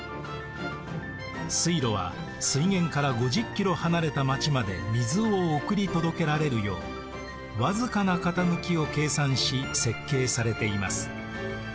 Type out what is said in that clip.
水路は水源から５０キロ離れた町まで水を送り届けられるよう僅かな傾きを計算し設計されています。